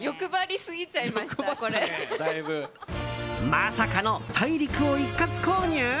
まさかの大陸を一括購入？